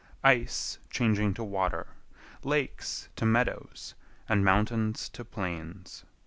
Ice changing to water, lakes to meadows, and mountains to plains.